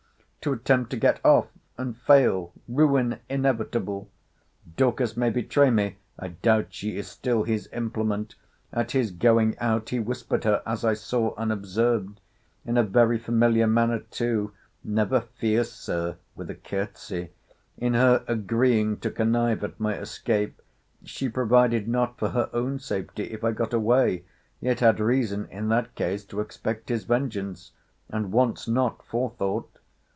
—To attempt to get off, and fail, ruin inevitable!—Dorcas may betray me!—I doubt she is still his implement!—At his going out, he whispered her, as I saw, unobserved—in a very familiar manner too—Never fear, Sir, with a courtesy. 'In her agreeing to connive at my escape, she provided not for her own safety, if I got away: yet had reason, in that case, to expect his vengeance. And wants not forethought.